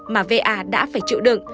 mà va đã phải chịu đựng